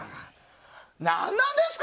何なんですか！